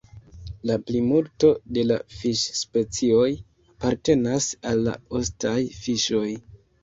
La plimulto de la fiŝ-specioj apartenas al la ostaj fiŝoj.